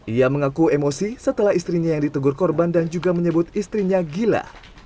ia mengaku emosi setelah istrinya yang ditegur korban dan juga menyebut istrinya gila